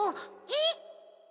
えっ？